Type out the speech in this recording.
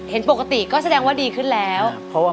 เห็นปกติก็แสดงว่าดีขึ้นแล้ว